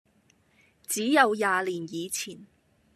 只有廿年以前，